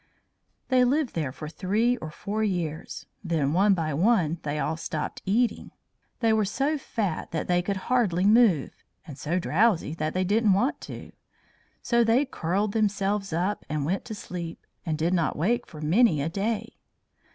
They lived there for three or four years. Then one by one they all stopped eating. They were so fat that they could hardly move, and so drowsy that they didn't want to. So they curled themselves up and went to sleep, and did not wake for many a day.